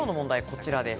こちらです。